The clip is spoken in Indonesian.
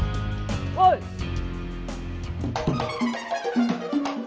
mengapa semua anaknya begitu sedih